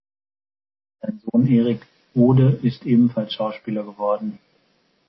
Sein Sohn Erik Ode ist ebenfalls Schauspieler geworden.